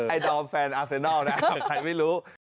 อ๋อไอ้ดอมแฟนอัลเซนอลนะใครไม่รู้